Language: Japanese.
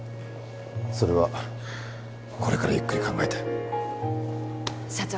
それはこれからゆっくり考えて社長